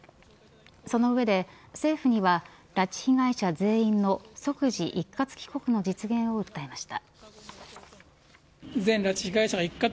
その上で政府には拉致被害者全員の即時一括帰国の実現を訴えました。